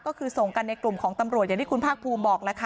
ก็คือส่งกันในกลุ่มของตำรวจอย่างที่คุณภาคภูมิบอกแล้วค่ะ